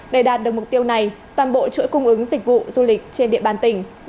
để đạt được mục tiêu này toàn bộ chuỗi cung ứng dịch vụ du lịch trên địa bàn tỉnh